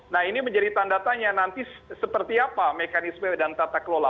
nah ini menjadi tanda tanya nanti seperti apa mekanisme dan tata kelola